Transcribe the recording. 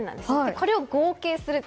これを合計すると。